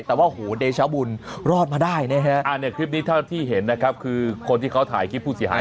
แต่ว่าโหเดชาบุญรอดมาได้นะฮะเนี่ยคลิปนี้เท่าที่เห็นนะครับคือคนที่เขาถ่ายคลิปผู้เสียหาย